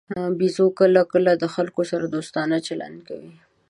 بیزو کله کله د خلکو سره دوستانه چلند کوي.